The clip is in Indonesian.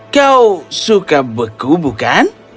kau suka beku bukan